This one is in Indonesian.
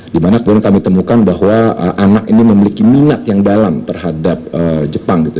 dimana kemudian kami temukan bahwa anak ini memiliki minat yang dalam terhadap jepang gitu